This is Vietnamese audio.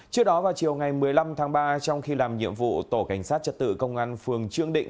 trước đó vào chiều ngày một mươi năm tháng ba trong khi làm nhiệm vụ tổ cảnh sát trật tự công an phường trương định